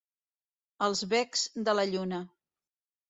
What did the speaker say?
Els becs de la lluna.